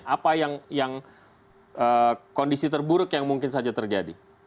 apa yang kondisi terburuk yang mungkin saja terjadi